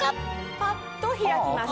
パッと開きます。